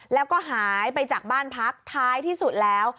แล้วก็หายไปจากบ้านพักท้ายที่สุดแล้ว